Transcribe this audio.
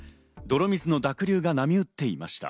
泥水の濁流が波打っていました。